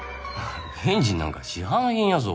ベンジンなんか市販品やぞ。